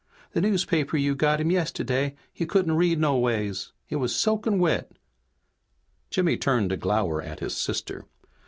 The newspaper you got him yesterday he couldn't read no ways. It was soaking wet!" Jimmy turned to glower at his sister.